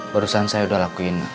barusan saya udah lakuin